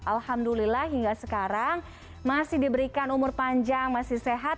alhamdulillah hingga sekarang masih diberikan umur panjang masih sehat